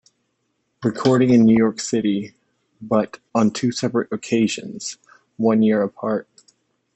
Recording in New York City, but on two separate occasions, one year apart.